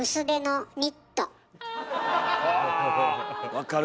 分かる。